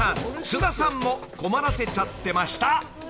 菅田さんも困らせちゃってました］